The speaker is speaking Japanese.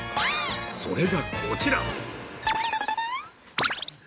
それがこちら。